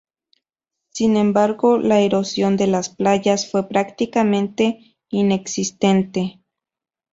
Sin embargo, la erosión de las playas fue prácticamente inexistente.